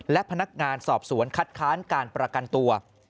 และพนักงานสอบสวนคัดค้านการประกันตัว